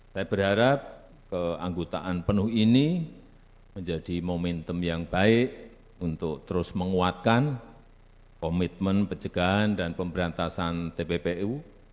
saya berharap keanggotaan penuh ini menjadi momentum yang baik untuk terus menguatkan komitmen pencegahan dan pemberantasan tppu